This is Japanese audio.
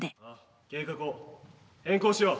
計画を変更しよう。